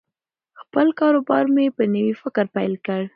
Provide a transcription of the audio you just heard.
خپل کاروبار مې په نوي فکر پیل کړ.